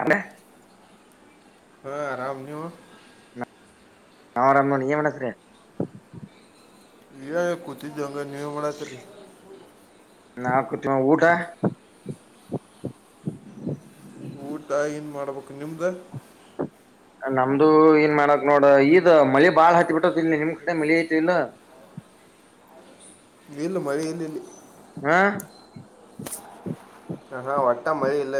ಅಲ್ಲ ಹಾ ಆರಾಮ ನೀವು ನಾರಾಮ ನನಕ್ರ ಯ ಕುೂತಿ ಜಂಗ ನೀ ಮಾಡಣ ತರಿ ನಾಕತಿೀಮ್ಮ ಊಟ ಊಟ ನ್ ಮಾಡ್ಬೇಕು ನಿಮ್ದ ನಮ್ದು ಏನ್ ಮಾಡಕ್ ನೋಡ ಈದ್ ಮಳೆ ಬಾಳ್ ಹತ್ತಿ ಬಿಿಟ್ಟತಿ ಇಲ್ಲಿ ನಿಮ್ ಕಡೆ ಮಳಿ ಐತಿ ಇಲ್ಲ [inaudible] ಇಲ್ಲು ಮರಿ ಇಲ್ಲಿ ಇಲ್ಲಿ ಹಾ ಹಾ ವಟ್ಟ ಮಳೆ ಇಲ್ಲ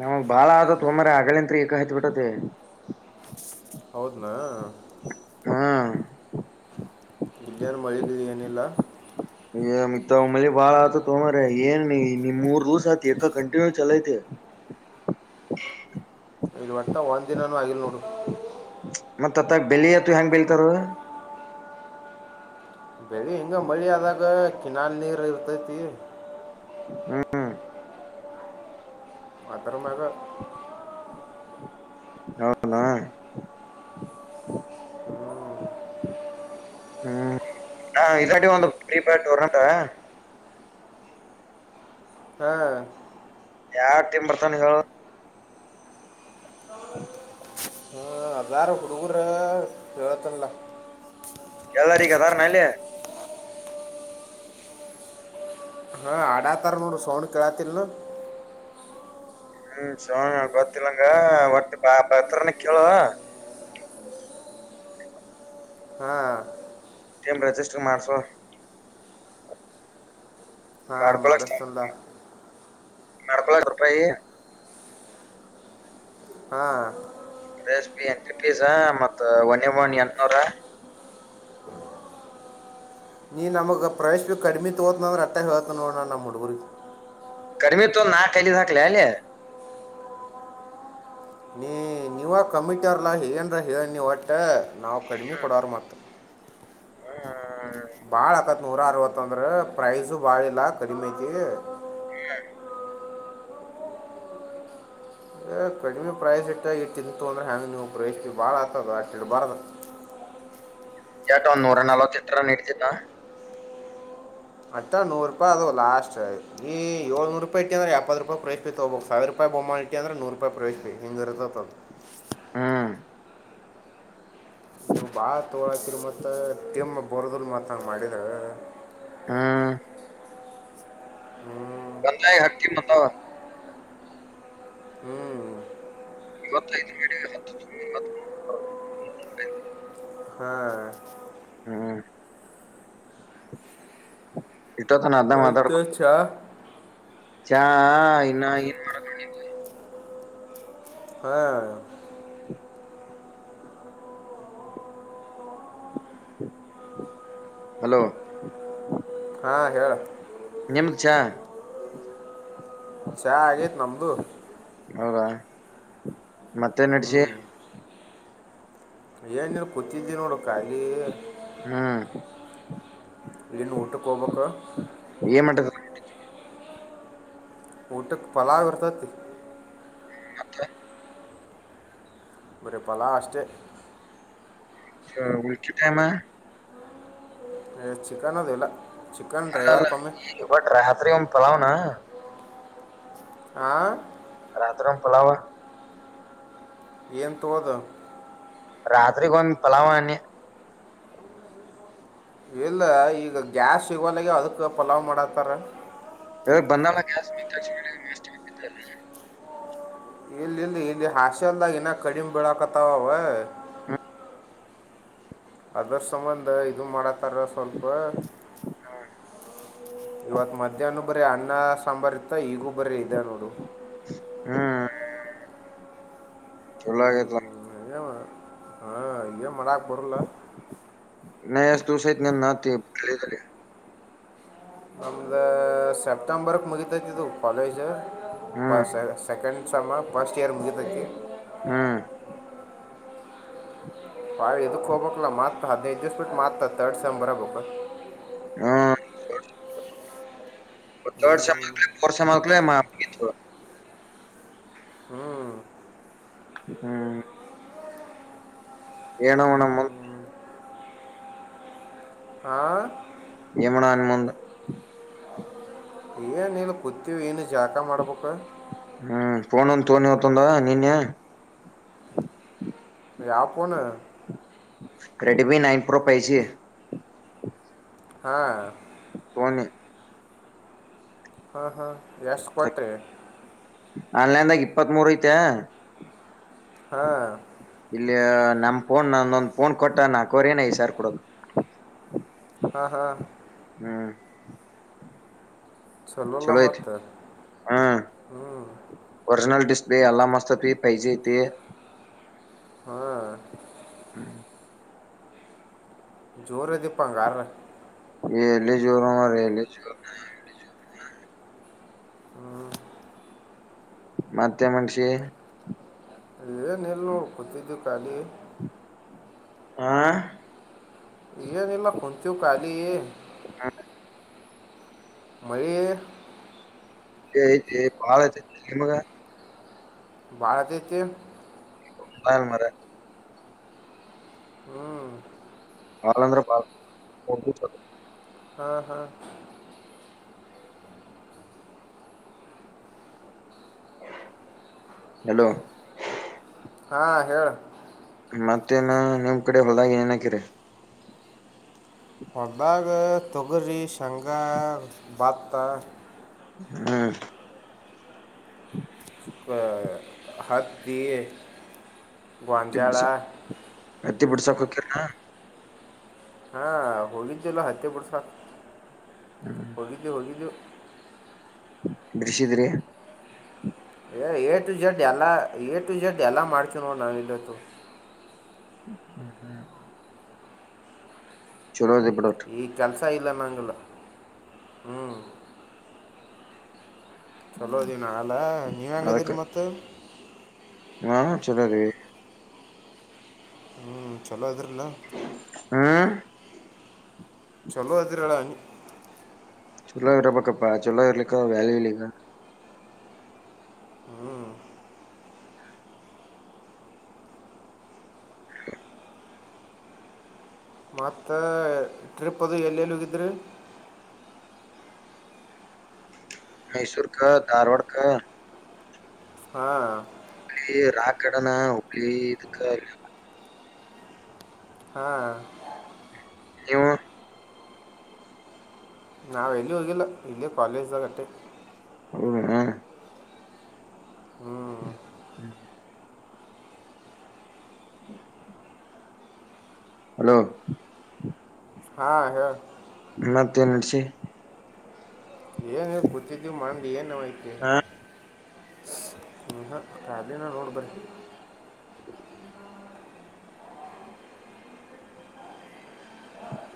ನಮಗ್ ಬಾಳ ಆದತ್ ತೊಂಬ್ರ ಅಗ್ಳಂತ್ರಿ ಈಕ ಹತ್ ಬಿಿಟ್ಟತಿ ಹೌದನಾ ಹಾ ಉಜಞಾನ ಮಳಿ ಗಯನೆಲ್ಲ [unintelligible] ಮತ್ತಮ್ಮಲ್ಲಿ ಬಾಳ ಆತ ತೊೊಂಡ್ರ ಏನ್ ನಿಮ್ ಮೂರ್ ೂಸ ಆತತಿ ಎಕ ಕಂಟಿನ್ಯೂ ಚಲೈತಿ [inaudible] [inaudible] ಇಲ್ ಒಟ್ಟಾ ಒಂದ್ ದಿನಾನೂ ಆಗಿಲ್ ನೋಡು ಮತ್ತತ್ ಅತ್ತಾಗ ಬೆಳತು ಹೆಂಗ ಬೆಳ್ತಾರ ಬೆಳಿ ಹಿಂಗ ಮಳಿ ಆದಾಗ ಕಿನಾಲ್ ನೀರ್ ಇರ್ತೈತಿ ಹ್ಮ್ ಮತ್ತರಮಾಗ ಹೌದಾ ಹ್ಮ್ ನಾ ಇದಾಟಿ ಒಂದು ಪ್ರೀಪೇಡ್ ಟೂರ್ನಮೆಂಟ್. ಹಾ. ಯಾವ್ ಟೀಮ್ ಬರ್ತಾನ ಹೇಳು. ಹ್ಮ. [inaudible] ಹ ಅದಾರ ಹುಡುಗರ ಹೇಳತನಲ್ಲ. ಎಲ್ಲಾರಿಗದಾರನ ಅಲ್ಲಿ. ಹಾ ಆಡಾತಾರ ನೋಡು ಸೌಂಡ್ ಕೇಳತಿಲ್ಲ. ಹ್ಮ್ ಸೋಮ ಬತ್ತಿಲ್ಲಂಗ ಒಟ್ಟ ಪತ್ರನ ಕೇಳೋಣ. ಹಾಂ ಟೀಮ್ ರಿಜಿಸ್ಟರ್ ಮಾಡ್ಸೋ. ಹಾ ಮಾಡ್ಕೊಳಕ್ ಮಾಡಿಸ್ತಿಂದ. [unintelligible] ಹಾ. ಎಷ್ಟು ಎಂಟ್ರಿ ಫೀಸ ಮತ್ತ [unintelligible] ಎಂಟ್ನೂರ. ನೀ ನಮಗ್ ಪ್ರೈಸ್ ಕಡಿಮೆ ತಗೋತಿನ್ನಂದ್ರ ಅಷ್ಟೇ ಹೇಳ್ತೀನ್ ನೋಡ್ ನಾ ನಮ್ ಹುಡುಗರ್ಗೆ. ಕಡಿಮಿ ತಗೊಂಡ್ ನಾ ಕೈಲಿಂದ್ ಹಾಕ್ಲಿ ಅಲ್ಲಿ. ನೀ ನೀವ ಕಮಿಟಿಯವ್ರ್ಲಾ ಏನ್ಲಾ ಹೇಳಿ ನೀವ್ ಒಟ್ಟ ನಾವ್ ಕಡಿಮಿ ಕೊಡೋರ್ ಮತ್ತ. [unintelligible] ಭಾಳ ಆಕತ್ ನೂರ ಅರವತ್ ಅಂದ್ರ ಪ್ರೈಸ ಭಾಳ ಇಲ್ಲ ಕಡಿಮಿ ಐತಿ. ಹಾ. ಏ ಕಡಿಮೆ ಪ್ರೈಸ್ ಇಟ್ಟ ಈ ತಿಂತು ಅಂದರೆ ಹ್ಯಾಂಗ್ ನೀವು ಪ್ರೈಸ್ ನೀವು ಭಾಳ ಆತ್ ಅದು ಅಷ್ಟ್ ಇಡಬಾರ್ದ್. ಎಟ್ ಒಂದ್ ನೂರಾ ನಲವತ್ ಇಟ್ರೆ ನಡೆತೈತಾ. ಅತ್ತ ನೂರು ರೂಪಾಯಿ ಅದು ಲಾಸ್ಟ್ ಈ ಏಳ್ನೂರು ರೂಪಾಯಿ ಇಟ್ಟಿ ಅಂದ್ರ ಎಪ್ಪತ್ತು ರೂಪಾಯಿ ಪ್ರೈಸ್ ನೀ ತಗೋಬೇಕು ಸಾವಿರ ರೂಪಾಯಿ [inaudible] ಇಟ್ಟಿ ಅಂದ್ರೆ ನೂರು ರೂಪಾಯಿ ಪ್ರೈಸ್ ಹಿಂಗ್ ಇರುತೈತ್ ಅದ್. [inaudible] ನೀವು ಭಾಳ ತಗೊಳ್ಳತ್ತಿರಿ ಮತ್ತ ಟೀಮ್ ಬರೋದಿಲ್ಲ ಮತ್ ಹಾಗ್ ಮಾಡಿರೆ. ಹಾ. ಹ್ಞೂ [unintelligible] ಹಕ್ಕಿ ಬತ್ತಾವ. ಹ್ಮ್ ಗೊತೈತಿ ನಿನಗ [inaudible] ಹಾ ಹ್ಮ್ ಇಷ್ಟೊತ್ತು ನಾ ಅದ್ನೆ ಮತ್ತು ಮಾತಾಡ್ಕೋತಿ ಚಾ ಚಾ ಇನ್ನ ಏನ್ ಮಾಡೋದ್ [inaudible] ಹಾ. ಹಲೋ. ಹಾ ಹೇಳ್. ನಿಮ್ಗ್ ಚಾ. ಚಾ ಆಗೇತ್ ನಮ್ದು. ಹೌದಾ ಮತ್ತೇನ್ ನಡೆಸಿ. ಏನ್ ನೀ ಕೂತಿದ್ದಿ ನೋಡು ಕಾಲಿ. ಹಾ. ಇನ್ ಊಟಕ್ ಹೋಗ್ಬೇಕು. [inaudible] ಊಟಕ್ ಪಲಾವ್ ಇರ್ತೈತಿ. ಮತ್ತೆ. ಬರೆ ಪಲಾವ್ ಅಷ್ಟೇ. [unintelligible] ಏ ಚಿಕನ್ ಅದೆಲ್ಲ. ಅಲ್ಲ ಅಲ್ಲ ಈಗ ಹೊರಟರ್ ರಾತ್ರಿ ಏನ್ ಪಲಾವ್ ನಾ. ಆ. ರಾತ್ರಿನ್ ಪಲಾವ್. ಏನ್ ತಗೋದ್. ರಾತ್ರಿಗ್ ಒಂದ್ ಪಲಾವ ಅನ್ಯ. ಇಲ್ಲ ಈಗ ಗ್ಯಾಸ್ ಸಿಗವಲ್ಗೆ ಅದಕ್ ಪಲಾವ್ ಮಾಡತ್ತಾರ ಇ ಬಂದಲ್ಲಕ್ಷ ಇಲ್ಲಿ ಇಲ್ಲಿ ಇಲ್ಲಿ ಹಾಸಲ್ದಾಗ ನಾಗ ಕಡಿಮೆ ಬೀಳಾಕತ್ತಾವ ಅವ ಹಾ ಅದರ್ ಸಂಬಂಧ ಇದು ಮಾಡತಾರ ಸ್ವಲ್ಪ ಇವತ್ತು ಮಧ್ಯಾಹ್ನ ಬರೀ ಅಣನ್ನ ಸಾಂಬಾರ್ ಇತ್ತ ಈಗೂ ಬರ ಇದ ನೋಡು ಹ್ಮ್ ಚಲ್ಲಾಗತಲ್ಲ ಮಡಾಕ್ ಬರಲ್ಲ ನಷ್ಟತು ಸಹಿತ ನ ನತ ತ ಸೆಪ್ಟೆಂಬರ್ ಮುಗಿತತಿ ಕಾಲಜ ಹ್ಮ್ ಸೆಕೆಂಡ ಸಮ್ಮ ಫಸ್ಟ್ ಇಯರ್ ಮುಗದಕ್ಕೆ ಹ್ಮ ಹಾಳದುಖೋ ಬಕ್ಲಲ್ಲ ಮತ್ತ ಹದಿನೈ ದಿವ ಪೀಟ್ ಮಾರ್ತ ತರ್ಡ್ ಸೈ್ ಬರ ಬಕ ಹ್ಮ ರ್ಡ್ ಸಕ್ಫೋರ್ ಸ ಮಕ್ಲ ಹ್ಞೂ ಹ್ಮ್ ಏನವಣಮ್ಮ ಹಾಂ ಯಮನ ಅನುಬಧ ಗತೀವಿ ಏನು ಜಾಕ ಮಾಡ್ಬೇಕ ಹ್ಮ್ ಫೋನ ಒಂದು ತೋನಿ ಹತದ ನೀನ್ನೆ ಯಾವ ಪನು ರೆಡ್ಮಿ ನೈನ್ ಪ್ರೋ ಪಜಿ ಹಾ ಹ ಹಾ ಹಾ ಎಷ್ಟ ಕೊಟ್ರಿ ಆನ್ಲೈನ್ದಾಗ ಇಪ್ಪತ್ ಮೂರ್ ಐತೆ ಹಾ ಇಲ್ಲಿ ನಮ್ ಫೋನ್ ನಂದೊಂದ್ ಫೋನ್ ಕೊಟ್ಟ ನಾಕೋ್ರ ಏನ ಈ ಸಾರ್ ಕೊಡೋದು ಹಾ ಹಾ ಹಾ ಚಲೋಲ್ಲ ಚಲೋಯತ ಮತ್ತು ಹ ವರ್ಜಲ್ ಡಿಸೇ ಅಲ್ಲ ಮಸ್ತತ್ ಪಜೆತಿ ಹ್ಮ ಹ್ಮ ಜೋರದೆಪ್ಪಾಂಗಾರ ಇ ಎಲಿ ಜೋರುಮ ರ ಎಲಿ ಚೋರು ಮತ್ತೆ ಮನುಷಿ ಗಟ್ಟಿದ ಕಾಲಿ ಆಾ ಏನಿಲ್ಲ ಕುಂತೀವಿ ಖಾಲಿ ಹಾ ಮರ ಪಳ ಚಮಗೆ ಭಾರತಕ್ಕೆ ಹಾಲ್ ಮರ ಹ್ಮ್ ಆಾಲಂದ್ರೆ ಬ ಹಾ ಹಾ ಹಲೋ ಹಾ ಹೇಳ ಮತ್ತೇನ ನಿಮ್ ಕಡೆ ಹೊಲ ಏನ್ ಆಕಿರಿ ಹೊದ್ದಾಗ ತೊಗರಿ ಶಂಗ ಬತ್ತ ಹ್ಮ್ ಕೊ ಹತ್ತಿ ಹತ್ತಿ ಬಿಡ್ಸ ಗ್ವಾನ್ಜಾಳಾ ಹತ್ತಿ ಬಿಡಿಸಕ್ ಹೊಕ್ಕಿರನು ಹಾ ಹೋಗಿದ್ದುಲ್ಲ ಹತ್ತೆ ಬಿಡ್ಸಾಕ ಹ್ಮ್ ಹೋಗಿದ್ದು ಹೋಗಿದ್ದುವಿ. ಬಿಡಿಸಿದ್ರಿ ಏ ಎಟು ಜೆಡ್ ಎಲ್ಲ ಎಟು ಜೆಡ್ ಎಲ್ಲ ಮಾಡ್ತೀವ ನೋ ನಾವ್ ಇಲ್ಲತ್ತು ಹ್ಮ ಹ್ಮ್ ಚಲೋದಿ ಬಿಡಟ್ ತ್ತ್ ಇಲ್ಲ ನಂಗಲ್ಲ ಹ್ಮ್ ಚಲೋದೀ ನಳ ನೀವ್ ಅದಕ್ಕ ಹೆಂಗದಿರಿ ಮತ್ತ ಹಾ ಚಲೋಗಯೇ ಹ್ಮ್ ಚಲೋ ಇದಿರಲ್ಲ ಹ್ಮ್ ಚಲೋ ಅದಿರಾಳ ಅನಿ ಚಲೋ ಇರ್ಬೇಕಪ್ಪ ಚಲೋ ಇರ್ಲಿಕಂದ್ರ ವ್ಯಾಲ್ಯೂ ಇಲ್ಲ ಇಗ ಮತ್ತೆ ಟ್ರಿಪ್ ಅದು ಎಲ್ಲೆಲ್ಲಿ ಹೋಗಿದ್ರಿ ಮೈಸೂರ್ಕ ಧಾರವಾಡ ಕ ಹಾ ಕಿ ರಾಕಡೆನಾ ಉಬ್ಳಿ ಇದುಕ್ಕ [unintelligible] ಹಾ ಇವ್ವು ನಾವ್ ಎಲ್ಲೂ ಹೋಗಿಲ್ಲ ಇಲ್ಲೆ ಕಾಲೇಜ್ದಾಗಾಟ್ಟೆ [unintelligible] ಹ್ಞೂ ಹ್ಮ್ ಹ್ಮ್ ಹ್ಮ ಹಲೋ ಹಾ ಹೇಳ ಮತ್ ಏನ್ ನಡ್ಸಿ ಎ ಕುತಿಗಿ ಮಂದ್ ಏನ್ ಅಯ್ತಿ ಹಾ ನೀಹ [inaudible] ರೋಡ್ ಬರ್.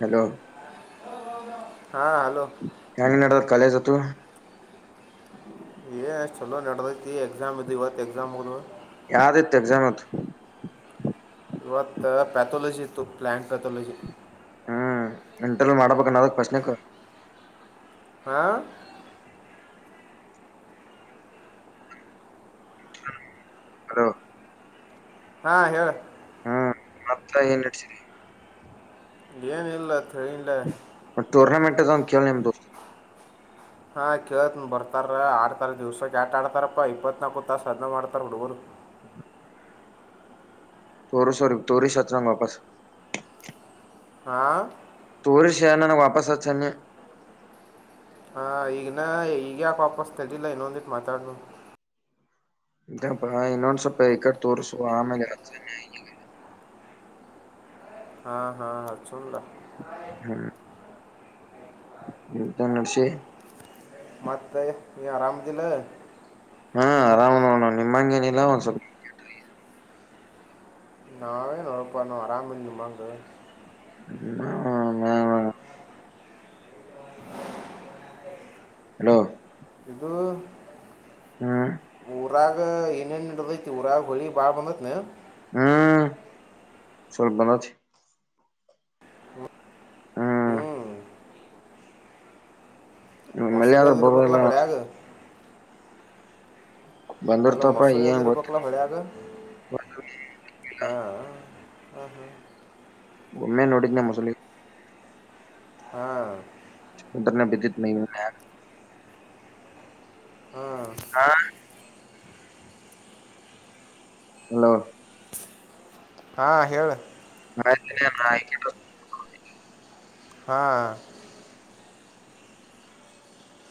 ಹಲೋ ಹಾ ಹಲೋ ಕಾಲೆಜತು ಏ ಅಸ್ ಚಲೋ ನಡದೈತಿ ಎಕ್ಸಾಮ್ ಇದು ಇವತ್ತು ಎಕ್ಸಾಮ್ ಮುಗದ್ವು ಯಾದಿತ್ ಎಕ್ಸಾಮ್ ಇವತ್ ಇವತ್ ಪ್ಯಾಥೋಲಜಿ ಇತ್ತು ಪ್ಲಾಂಟ್ ಪ್ಯಾಥೋಲಜಿ ಹ್ಮ್ ಇಂಟರ್ವ್ಯ್ ಮಾಡ್ಬೇಕನ್ನಾದ ಕ್ವಶ್ನೆಕ್ ಹಾ ಹಲೋ ಹಾ ಹೇಳ ಹ್ಮ ಮತ್ತ ಏನ್ ನಡಸ್ರಿ ಏನ ಇಲ್ಲ ತೈಲ್ಲ ಅದೊಂದ್ ಕೇಳ್ ನಿಮ್ [unintelligible] ಹಾ ಕೇಳ್ತೀನ್ ಬರ್ತಾರ ಆಡ್ತಾರ ದಿವ್ಸಕ್ಕೆ ಆಟ ಆಡ್ತಾರಪ್ಪಾ ಇಪ್ಪತ್ ನಾಪ್ಪತ್ ತಾಸ ಅದ ಮಾಡ್ತಾರ ಹುಡುಗರ್ [unintelligible] ತೋರಿಸ್ ಅವ್ರಿಗ್ ತೋರಿಸ್ ಸಾಚನಾಂಗ ವಾಪಸ್ ಹಾ ತೋರಿಸಿ ನನಗ್ ವಾಪಸ್ ಅಚನ್ನೆ ಈಗನಾ ಈಗ ಯಾಕ ವಾಪಸ್ ತದಿಲ್ಲ ಇನ್ನೊಂದಿಟ್ಟ ಮಾತಾಡ ಇನ್ನೊಂದು ಸ್ವಪ ಈಕಡೆ ತೋರ್ರಿಸು ಆಮೇಲೆ. [inaudible] ಹಾ ಹಾ ಹಾ ಅಚುಂದ. ಹ್ಮ್. [unintelligible] ಮತ್ತೆ ನೀ ಆರಾಮದಿಲ್ಲ. ಹಾ ಆರಾಮ್ ನೋಡಣ ನಿಮ್ಮಂಗೇನಿಲ್ಲ ಒಂದ್ ಸ್ವಲ್ಪ. ನಾವೇ ನೋಡಪ್ಪ ಆರಾಮಂದುಮ್ಮ ಅದು. ಹೂ ಹೂ. [inaudible] ಹಲೋ. ಇದು. ಹೂ. ಊರಾಗ ಏನೇನ್ ಇಡದೈತಿ ವರಾಗ ಹೊಳಿ ಬಾಳ್ ಬಂದೈತ್ನ. ಹ್ಮ್ ಸ್ವಲ್ ಬಂದಚಿ. ಹ್ಞೂ ಹ್ಮ್ ಮಳೆ ಆದ್ರ ಮೊಸಳದರ್ಮಕ್ಕಲ ಬರಲ್ಲ ಹೊಳೆ ಆಗ. ಅಲ್ಲ ಬಂದಿರ್ತಪ್ಪ ಮೊಸೂರು [unintelligible] ಏನ್ ಗೊತ್ತ ಇರ್ಬೇಕಕ್ಲ ಹೊಳಿಯಾಗ ಹಾ. ಹಾ ಹಾ. ಓಮ್ಮೆ ನೋಡಿ ಇದನ ಮಸಲಿ. ಹಾ. ಮುದ್ರ ಬಿದಿತ್. [unintelligible] ಹಾ. ಹಾ ಹಲೋ. ಹಾ ಹೇಳ. [unintelligible] ಹಾ.